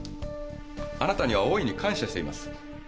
あなたには大いに感謝しています。